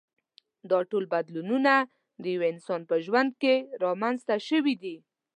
دا ټول بدلونونه د یوه انسان په ژوند کې رامنځته شوي دي.